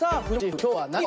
今日は何を？